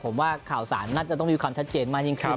ผมว่าข่าวสารน่าจะต้องมีความชัดเจนมากยิ่งขึ้น